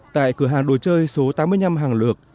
tại cửa hàng đồ chơi số tám mươi năm hàng lược